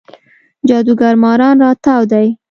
جادوګر ماران راتاو دی